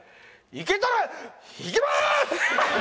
いけたらいきまーす！